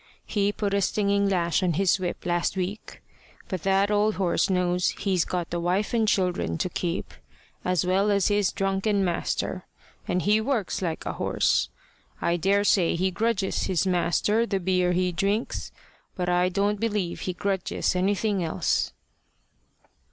He put a stinging lash on his whip last week. But that old horse knows he's got the wife and children to keep as well as his drunken master and he works like a horse. I daresay he grudges his master the beer he drinks, but I don't believe he grudges anything else."